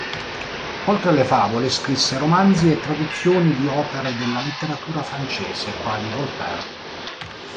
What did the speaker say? Oltre alle favole, scrisse romanzi e traduzioni di opere della letteratura francese, quali Voltaire.